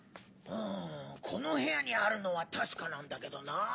んこの部屋にあるのは確かなんだけどなぁ。